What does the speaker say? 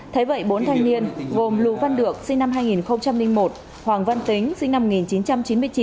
thấy vậy bốn thanh niên gồm lù văn được sinh năm hai nghìn một hoàng văn tính sinh năm một nghìn chín trăm chín mươi chín